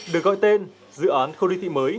được gọi tên dự án khâu ly thị mới